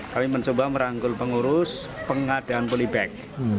kami mencoba merangkul pengurus pengadaan polybag